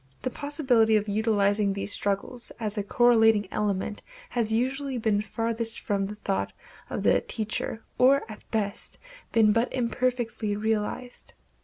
The possibility of utilizing these struggles as a correlating element has usually been farthest from the thought of the teacher, or at best been but imperfectly realized.